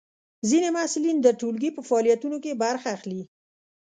ځینې محصلین د ټولګي په فعالیتونو کې برخه اخلي.